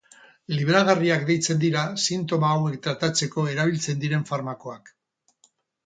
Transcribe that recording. Libragarriak deitzen dira sintoma hau tratatzeko erabiltzen diren farmakoak.